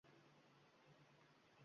Temirchi so’nggi bor osmonga boqdi.